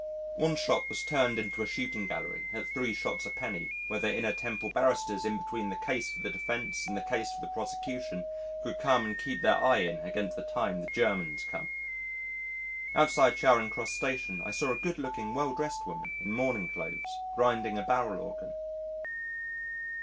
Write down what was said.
One shop was turned into a shooting gallery at three shots a penny where the Inner Temple Barristers in between the case for the defence and the case for the prosecution could come and keep their eye in against the time the Germans come. Outside Charing Cross Station I saw a good looking, well dressed woman in mourning clothes, grinding a barrel organ....